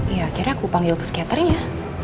ya akhirnya aku panggil psikiaternya